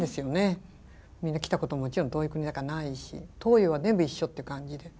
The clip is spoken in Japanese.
みんな来たこともちろん遠い国だからないし東洋は全部一緒って感じで。